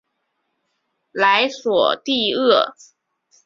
莱索蒂厄。